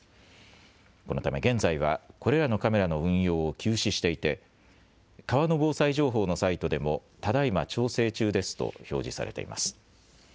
このため現在はこれらのカメラの運用を休止していて川の防災情報のサイトでもただいま調整中ですと表示されています。